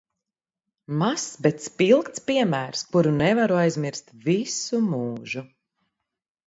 Mazs, bet spilgts piemērs, kuru nevaru aizmirst visu mūžu.